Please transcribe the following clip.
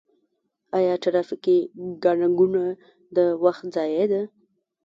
آیا ټرافیکي ګڼه ګوڼه د وخت ضایع ده؟